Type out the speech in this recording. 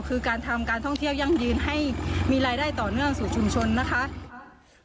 คือการทำการท่องเที่ยวยั่งยืนให้มีรายได้ต่อเนื่องสู่ชุมชนนะคะ